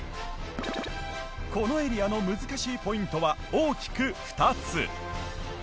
このエリアの難しいポイントは大きく２つ。